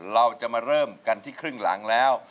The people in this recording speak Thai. เราจะมาเริ่มกันที่ครึ่งหลังแล้ว